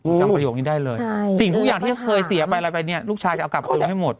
จำประโยคนี้ได้เลยสิ่งทุกอย่างที่เคยเสียไปอะไรไปเนี่ยลูกชายจะเอากลับคืนให้หมด